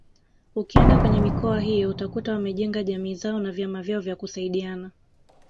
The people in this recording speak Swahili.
Ukienda kwenye mikoa hiyo utakuta wamejenga jamii zao na vyama vyao vya kusaidiana